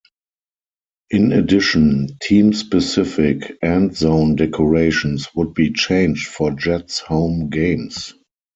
In addition, team-specific end zone decorations would be changed for Jets home games.